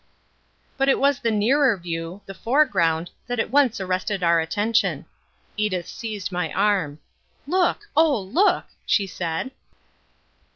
But it was the nearer view, the foreground, that at once arrested our attention. Edith seized my arm. "Look, oh, look!" she said.